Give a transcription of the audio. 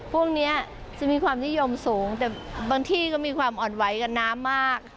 พวกนี้จะมีความนิยมสูงแต่บางที่ก็มีความอ่อนไหวกับน้ำมาก